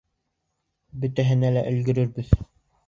Бөтәһенә лә өлгөрөрбөҙ!